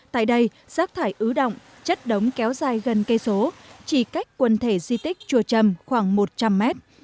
tại đây rác thải ứ động chất đống kéo dài gần cây số chỉ cách quần thể di tích chùa trầm khoảng một trăm linh mét